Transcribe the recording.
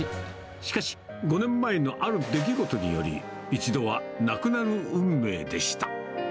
しかし、５年前のある出来事により、一度はなくなる運命でした。